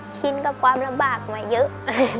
ชินกับความลำบากมาเยอะ